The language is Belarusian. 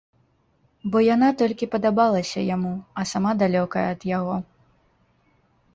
Бо яна толькі падабалася яму, а сама далёкая ад яго.